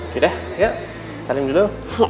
yaudah yuk saling dulu